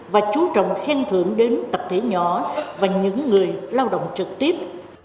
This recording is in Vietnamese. và khen thưởng đến tập thể nhỏ và những người lao động trực tiếp